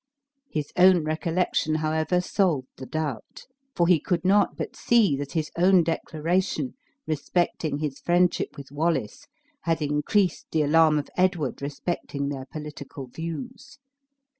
His own recollection, however, solved the doubt; for he could not but see that his own declaration respecting his friendship with Wallace had increased the alarm of Edward respecting their political views.